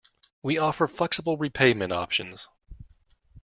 We offer flexible repayment options.